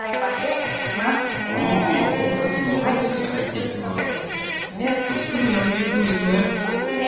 これすぐ焼いていくんですね。